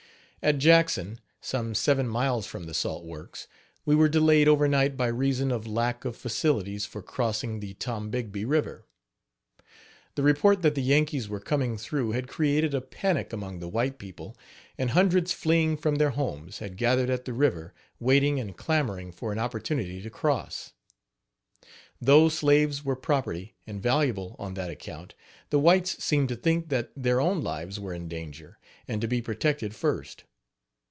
At Jackson, some seven miles from the salt works, we were delayed over night by reason of lack of facilities for crossing the Tombigbee river. The report that the Yankees were coming through had created a panic among the white people; and hundreds, fleeing from their homes, had gathered at the river, waiting and clamoring for an opportunity to cross. Though slaves were property, and valuable on that account, the whites seemed to think that their own lives were in danger, and to be protected first.